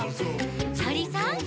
「とりさん！」